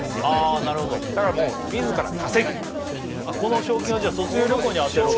なるほどだからもう自ら稼ぐこの賞金はじゃあ卒業旅行にあてろと？